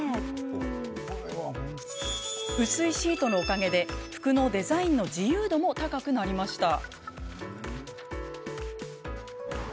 薄いシートのおかげで服のデザインの自由度も高くなりました。